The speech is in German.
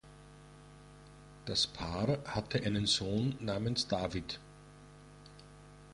Das Paar hatte einen Sohn namens David.